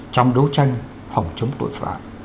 trong đấu tranh phòng chống tội phạm